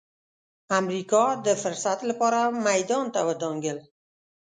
امریکا د فرصت لپاره میدان ته ودانګل.